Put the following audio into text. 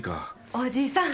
おじさん。